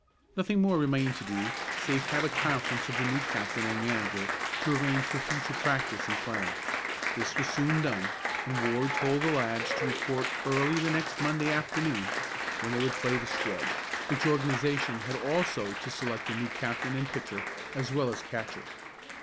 Nothing more remained to do save to have a conference of the new captain and manager, to arrange for future practice and playing. This was soon done, and Ward told the lads to report early the next Monday afternoon, when they would play the scrub, which organization had also to select a new captain and pitcher, as well as catcher.